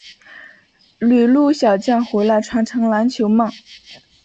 旅陆小将回来传承篮球梦